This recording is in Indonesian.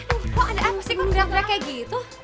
aduh kok ada apa sih kok gerak gerak kayak gitu